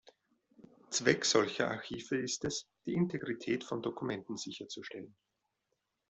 Zweck solcher Archive ist es, die Integrität von Dokumenten sicherzustellen.